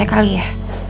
iya ini asal ya